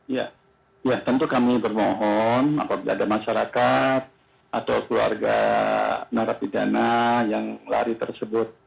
ya ya tentu kami bermohon apabila ada masyarakat atau keluarga narapidana yang lari tersebut